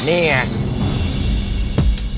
นี่ไง